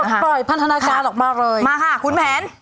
ปล่อยพันธนาการออกมาเลยมาค่ะคุณแผน